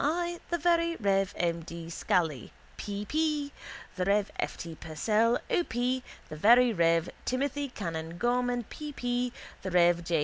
I.; the very rev. M. D. Scally, P. P.; the rev. F. T. Purcell, O. P.; the very rev. Timothy canon Gorman, P. P.; the rev. J.